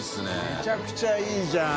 めちゃくちゃいいじゃん。